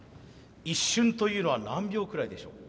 一瞬というのは何秒くらいでしょう？